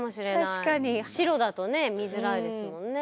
白だとね見づらいですもんね。